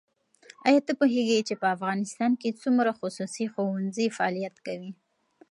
ایا ته پوهېږې چې په افغانستان کې څومره خصوصي ښوونځي فعالیت کوي؟